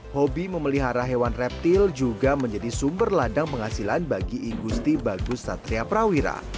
hobi memelihara hewan reptil juga menjadi sumber ladang penghasilan bagi igusti bagus satria prawira